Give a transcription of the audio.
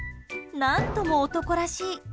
何とも男らしい！